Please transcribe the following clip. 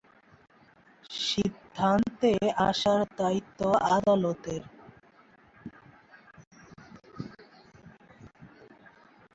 সিদ্ধান্তে আসার দায়িত্ব আদালতের।